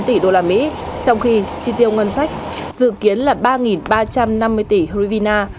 trong khi chi tiêu ngân sách dự kiến là ba ba trăm năm mươi tỷ hrvina